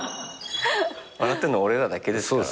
笑ってんのは俺らだけですからね。